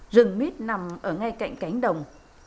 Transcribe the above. rừng mít nằm ở ngay cạnh cánh đồng